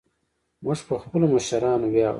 موږ په خپلو مشرانو ویاړو